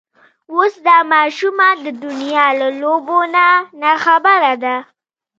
اوس دا ماشومه د دنيا له لوبو نه ناخبره ده.